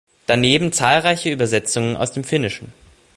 Daneben zahlreiche Übersetzungen aus dem Finnischen.